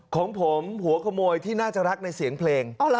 ของผมหัวขโมยที่น่าจะรักในเสียงเพลง